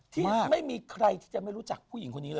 ที่ไม่มีใครที่จะไม่รู้จักผู้หญิงคนนี้เลย